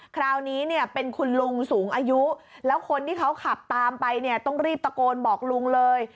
คราวนี้เนี่ยเป็นคุณลุงสูงอายุแล้วคนที่เขาขับตามไปเนี่ยต้องรีบตะโกนบอกลุงเลย